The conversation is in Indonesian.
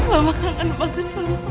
mama kangen banget sama kamu nanda